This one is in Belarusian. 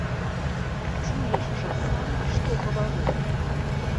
Чуеш жа сам, што гавару.